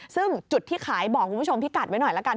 ซึ่งจุดที่ขายบอกคุณผู้ชมพิกัดไว้หน่อยละกัน